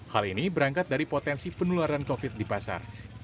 hal ini berangkat dari potensi penularan covid di pasar